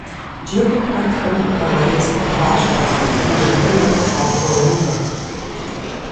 Джэгум хэтхэм хэгъэрей зыкъыхуащӀырт, нэжэгужэу къыбгъурыувэхэрт.